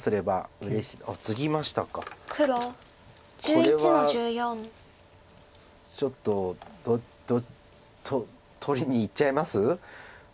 これはちょっと取りにいっちゃいます？